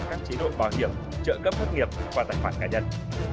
các chế độ bảo hiểm trợ cấp thất nghiệp qua tài khoản cá nhân